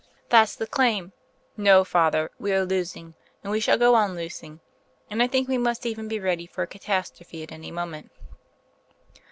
That's the claim. No, father, we are losing; and we shall go on losing, and I think we must even be ready for a catastrophe at any moment."